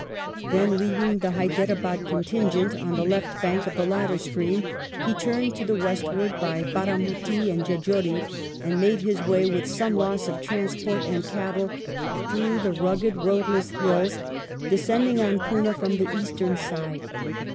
Then, leaving the Hyderabad contingent on the left bank of the latter stream, he turned to the westward by Baramuttee and Jejory, made his way with some loss of transport and cattle through the rugged roadless hills, descending on Poona from the eastern side.